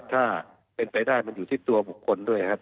ถ้าเป็นไปได้มันอยู่ที่ตัวบุคคลด้วยครับ